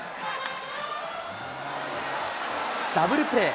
ダブルプレー。